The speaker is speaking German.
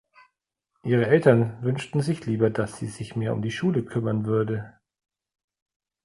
Ihre Eltern wünschten sich lieber, dass sie sich mehr um die Schule kümmern würde.